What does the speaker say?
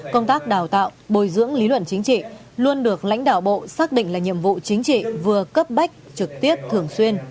công tác đào tạo bồi dưỡng lý luận chính trị luôn được lãnh đạo bộ xác định là nhiệm vụ chính trị vừa cấp bách trực tiếp thường xuyên